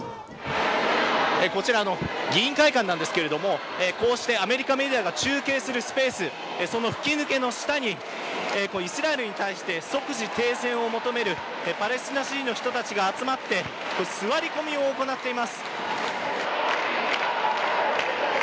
こちら、議員会館なんですけれども、こうしてアメリカメディアが中継するスペース、その吹き抜けの下に、イスラエルに対して即時停戦を求める、パレスチナ支持の人たちが集まって、座り込みを行っています。